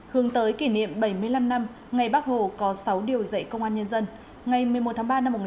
hướng tới kỷ niệm bảy mươi năm năm ngày bắc hồ có sáu điều dạy công an nhân dân